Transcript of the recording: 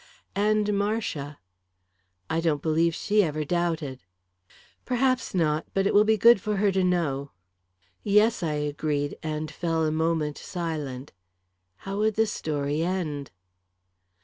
"And Marcia." "I don't believe she ever doubted." "Perhaps not; but it will be good for her to know." "Yes," I agreed, and fell a moment silent. How would the story end?